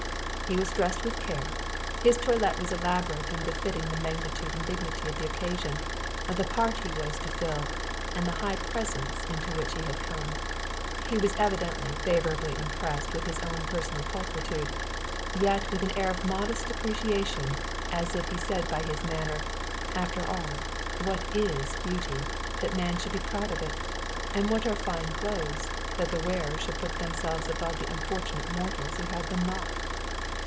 He was dressed with care. His toilet was elaborate and befitting the magnitude and dignity of the occasion, the part he was to fill, and the high presence into which he had come. He was evidently favorably impressed with his own personal pulchritude; yet with an air of modest deprecation, as if he said by his manner, "After all, what is beauty, that man should be proud of it; and what are fine clothes, that the wearers should put themselves above the unfortunate mortals who have them not?"